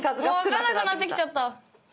もう分かんなくなってきちゃった。